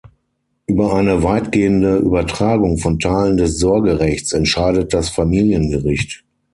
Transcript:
Über eine weitergehende Übertragung von Teilen des Sorgerechts entscheidet das Familiengericht.